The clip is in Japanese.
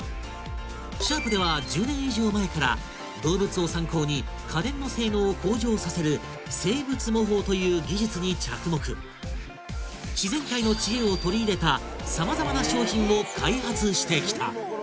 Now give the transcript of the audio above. シャープでは１０年以上前から動物を参考に家電の性能を向上させる「生物模倣」という技術に着目自然界の知恵を取り入れたさまざまな商品を開発してきたえ